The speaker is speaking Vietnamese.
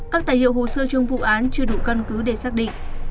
các tài liệu hồ sơ trong vụ án chưa đủ căn cứ để xác định